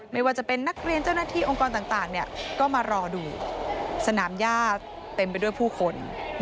ไม่ว่าจะเป็นนักเรียนเจ้าหน้าที่องค์กรต่างก็มารอดูสนามย่าเต็มไปด้วยผู้คน